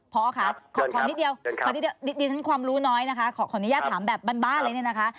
พอค่ะขอนิดเดียวดิฉันความรู้น้อยนะคะขออนุญาตถามแบบบ้านเลยเนี่ยนะคะ